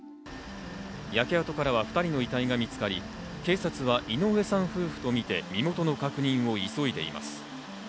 焼け跡からは２人の遺体が見つかり、警察は井上さん夫婦とみて身元の確認を急いでいます。